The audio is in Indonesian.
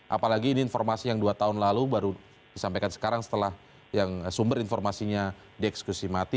apalagi ini informasi yang dua tahun lalu baru disampaikan sekarang setelah yang sumber informasinya dieksekusi mati